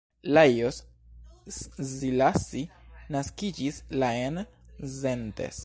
Lajos Szilassi naskiĝis la en Szentes.